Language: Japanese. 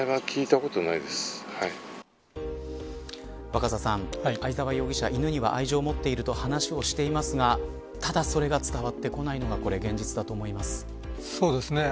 若狭さん、相沢容疑者犬には愛情を持っていると話をしていますがただ、それが伝わってこないのが現実だと思います。